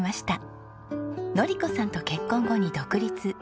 典子さんと結婚後に独立。